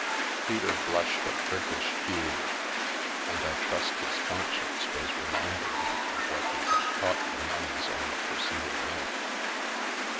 Peter blushed a brickish hue, and I trust his conscience was reminding him of what he had taught the nuns on the preceding night.